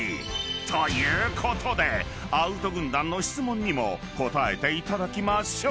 ということでアウト軍団の質問にも答えていただきましょう］